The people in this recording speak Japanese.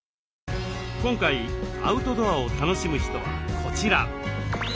今回アウトドアを楽しむ人はこちら。